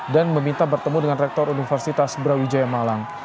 meminta bertemu dengan rektor universitas brawijaya malang